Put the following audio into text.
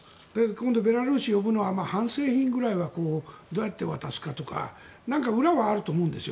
今度ベラルーシを呼ぶのは半製品ぐらいはどうやって渡すかとか裏はあると思うんですよ